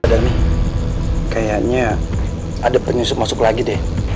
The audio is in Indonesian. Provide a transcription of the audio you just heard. mbak darmi kayaknya ada penyusup masuk lagi deh